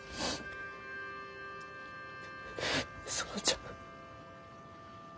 園ちゃん。